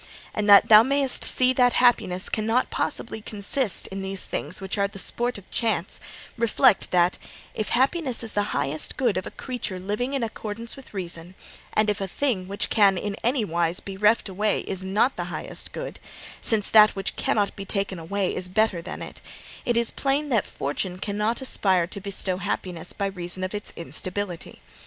And that thou mayst see that happiness cannot possibly consist in these things which are the sport of chance, reflect that, if happiness is the highest good of a creature living in accordance with reason, and if a thing which can in any wise be reft away is not the highest good, since that which cannot be taken away is better than it, it is plain that Fortune cannot aspire to bestow happiness by reason of its instability.